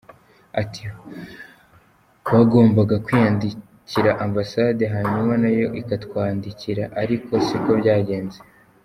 Ati “Bagombaga kwandikira Ambasade hanyuma nayo ikatwandikira, ariko siko byagenze.